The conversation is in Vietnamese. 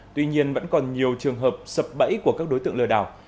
tuy nhiên vẫn còn nhiều trường hợp sập bẫy của các đối tượng lừa đảo